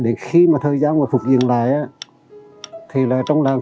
đến khi mà thời gian mà phục diện lại á thì là trong làng